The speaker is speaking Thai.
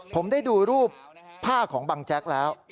ผมได้ดูรูปผ้าของบังแจ๊กแล้ว